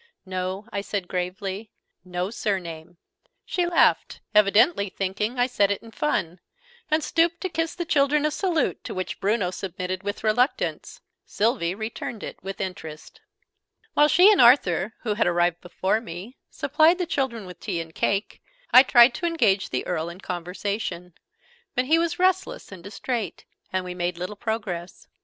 "No," I said gravely. "No surname." She laughed, evidently thinking I said it in fun; and stooped to kiss the children a salute to which Bruno submitted with reluctance: Sylvie returned it with interest. While she and Arthur (who had arrived before me) supplied the children with tea and cake, I tried to engage the Earl in conversation: but he was restless and distrait, and we made little progress.